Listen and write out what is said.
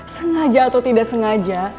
sengaja atau tidak sengaja